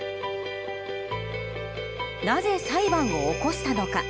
なぜ裁判を起こしたのか。